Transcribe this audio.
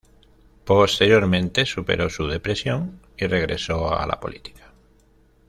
Posteriormente, superó su depresión y regresó a la política.